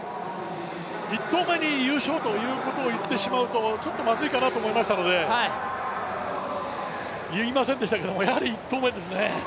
１投目に優勝ということを言ってしまうとちょっとまずいかなと思いましたので言いませんでしたけど、やはり１投目ですね。